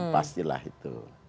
pasti lah itu